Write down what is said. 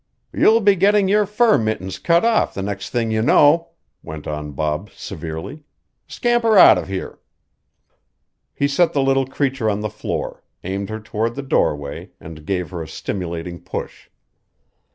"You'll be getting your fur mittens cut off the next thing you know," went on Bob severely. "Scamper out of here!" He set the little creature on the floor, aimed her toward the doorway and gave her a stimulating push.